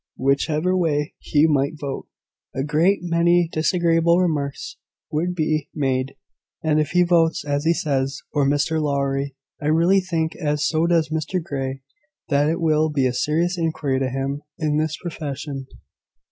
Whichever way he might vote, a great many disagreeable remarks would be made; and if he votes as he says, for Mr Lowry, I really think, and so does Mr Grey, that it will be a serious injury to him in his profession."